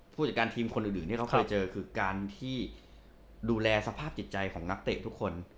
ผู้จัดการทีมคนอื่นที่เขาเคยเจอคือการที่ดูแลสภาพจิตใจของนักเตะทุกคน